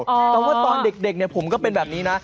แต่ว่าตอนเด็กเนี่ยผมก็เป็นแบบนี้นะ